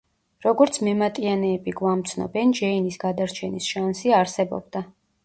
როგორც მემატიანეები გვამცნობენ ჯეინის გადარჩენის შანსი არსებობდა.